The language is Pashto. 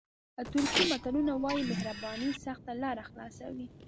ترکي متل وایي مهرباني سخته لاره خلاصوي.